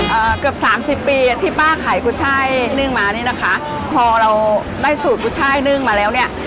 เอ่อเกือบสามสิบปีอ่ะที่ป้าขายกุช่ายนึ่งมานี่นะคะพอเราได้สูตรกุช่ายนึ่งมาแล้วเนี่ย